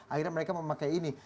akhirnya mereka memakai ini